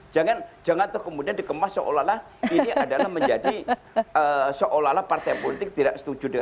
jangan kemudian dikemas seolah olah ini adalah menjadi seolah olah partai politik tidak setuju dengan